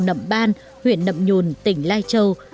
nậm ban huyện nậm nhùn tỉnh lai châu